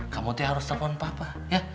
kamu harus telepon papa ya